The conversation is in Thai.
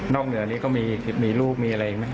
นอกเหลืออันนี้ก็มีลูกมีอะไรอีกไหม